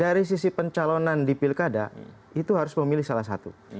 dari sisi pencalonan di pilkada itu harus memilih salah satu